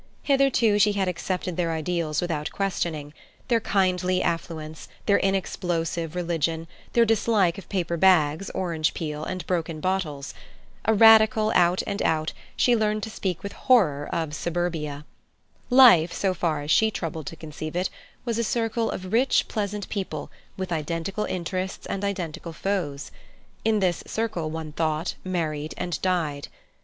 Hitherto she had accepted their ideals without questioning—their kindly affluence, their inexplosive religion, their dislike of paper bags, orange peel, and broken bottles. A Radical out and out, she learnt to speak with horror of Suburbia. Life, so far as she troubled to conceive it, was a circle of rich, pleasant people, with identical interests and identical foes. In this circle, one thought, married, and died.